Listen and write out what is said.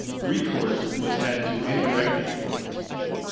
Recourse was had to indirect influence.